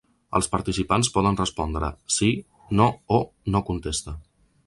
Els participants poden respondre “Sí”, “No” o “No contesta”.